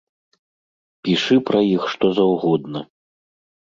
Пішы пра іх што заўгодна.